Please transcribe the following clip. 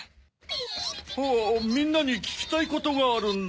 みんなにききたいことがあるんだ。